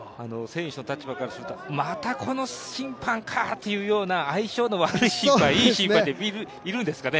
選手の立場からするとまたこの審判かというような相性の悪い審判、いい審判って、いるんですかね？